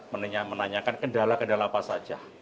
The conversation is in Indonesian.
menanyakan kendala kendala apa saja